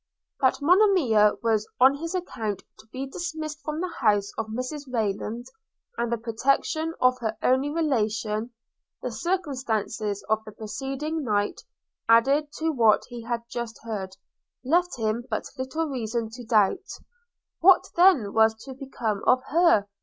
That Monimia was on his account to be dismissed from the house of Mrs Rayland, and the protection of her only relation, the circumstances of the preceding night, added to what he had just heard, left him but little reason to doubt. What then was to become of her?